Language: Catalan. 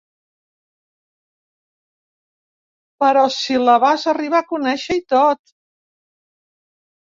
Però si la vas arribar a conèixer i tot.